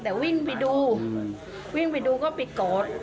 แต่วิ่งไปดูวิ่งไปดูก็ไปโกรธ